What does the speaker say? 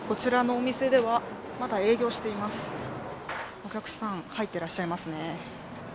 お客さん入っていらっしゃいますね。